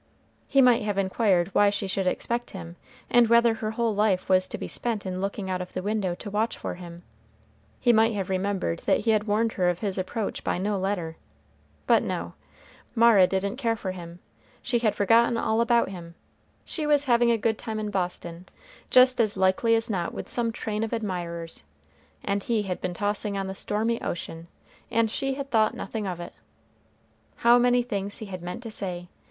He might have inquired why she should expect him, and whether her whole life was to be spent in looking out of the window to watch for him. He might have remembered that he had warned her of his approach by no letter. But no. "Mara didn't care for him she had forgotten all about him she was having a good time in Boston, just as likely as not with some train of admirers, and he had been tossing on the stormy ocean, and she had thought nothing of it." How many things he had meant to say!